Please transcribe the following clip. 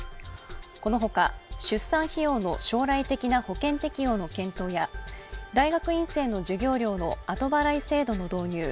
このほか出産費用の将来的な保険適用の検討や大学院生の授業料の後払い制度の導入